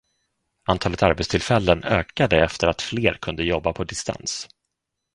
Antalet arbetstillfällen ökade efter att fler kunde jobba på distans.